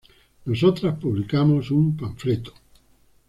nosotras publicamos un panfleto